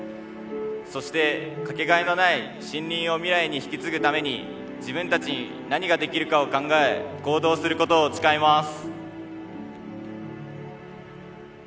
そして掛けがえのない森林を未来に引き継ぐために自分たちに何ができるかを考え行動することを誓います。